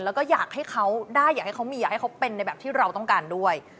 แล้วก็อยากให้เขาได้อยากให้เขามีอยากให้เขาเป็นในแบบที่เราต้องการด้วย